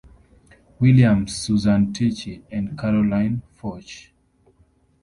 Williams, Susan Tichy, and Carolyn Forche.